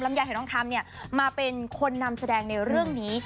ยายหายทองคำเนี่ยมาเป็นคนนำแสดงในเรื่องนี้